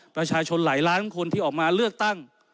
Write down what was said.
ประชาชนหลายล้านคนที่ออกมาเลือกตั้ง